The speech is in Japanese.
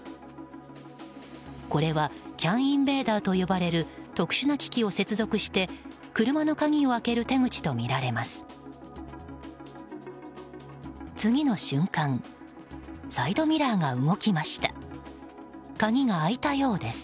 これはＣＡＮインベーダーと呼ばれる特殊な機器を接続して車の鍵を開ける手口とみられます。